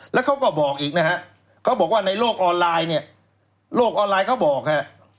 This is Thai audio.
แล้วเขาก็บอกอีกนะฮะเขาบอกว่าในโลกออนไลน์เนี่ยโลกออนไลน์เขาบอกฮะ